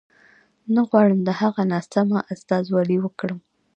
نه غواړم د هغه ناسمه استازولي وکړم.